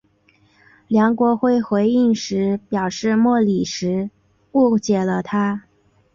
梁国辉回应时表示莫礼时误解了他。